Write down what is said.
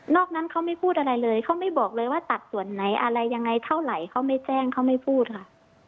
อกนั้นเขาไม่พูดอะไรเลยเขาไม่บอกเลยว่าตัดส่วนไหนอะไรยังไงเท่าไหร่เขาไม่แจ้งเขาไม่พูดค่ะ